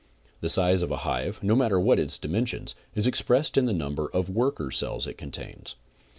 The size of a hive, no matter what its dimensions, is expressed in the number of worker cells it contains.